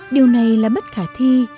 điều này là bất khả thi